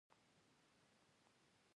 د سنت په طريقه يې ښه پوره سلام واچاوه.